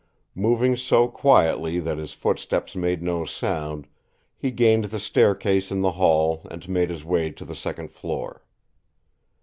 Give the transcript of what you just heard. Moving so quietly that his footsteps made no sound, he gained the staircase in the hall and made his way to the second floor.